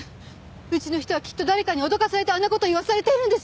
うちの人はきっと誰かに脅かされてあんな事を言わされてるんです！